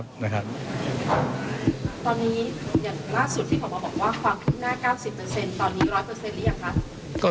ตอนนี้อย่างล่าสุดที่ออกมาบอกว่าความคืบหน้า๙๐ตอนนี้๑๐๐หรือยังคะ